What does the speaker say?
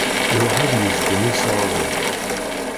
Iruḥ ad yezdem isɣaṛen.